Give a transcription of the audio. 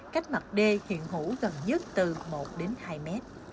cách mặt đê hiện hữu gần nhất từ một đến hai mét